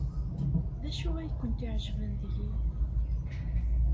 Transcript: D acu ay kent-iɛejben deg-i?